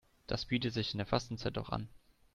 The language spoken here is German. Das bietet sich in der Fastenzeit doch an.